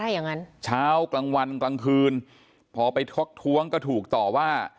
อย่างนั้นเช้ากลางวันกลางคืนพอไปทกท้วงก็ถูกต่อว่า